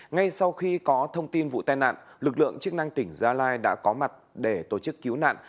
ngay sau khi có thông tin vụ tai nạn lực lượng chức năng tỉnh gia lai đã có mặt để tổ chức cứu nạn